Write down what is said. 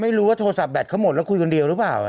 โทรศัพท์แบตเขาหมดแล้วคุยคนเดียวหรือเปล่า